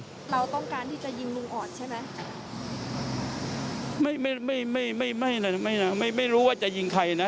เราต้องการที่จะยิงลุงอ่อนใช่ไหมไม่ไม่ไม่ไม่ไม่ไม่รู้ว่าจะยิงใครนะ